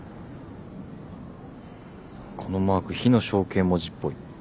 このマーク火の象形文字っぽい。